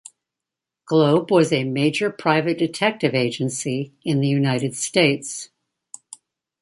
Globe was a major private detective agency in the United States.